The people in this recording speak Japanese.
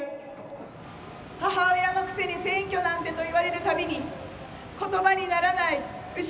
「母親のくせに選挙なんて」と言われるたびに言葉にならない後ろめたさがありました。